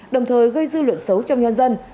đồng thời gây dư luận xấu trong nhân dân